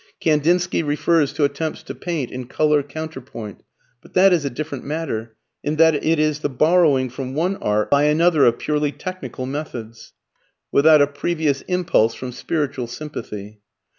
Kandinsky refers to attempts to paint in colour counterpoint. But that is a different matter, in that it is the borrowing from one art by another of purely technical methods, without a previous impulse from spiritual sympathy.